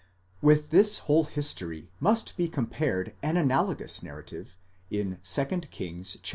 With this whole history must be compared an analogous narrative in 2 Kings iv.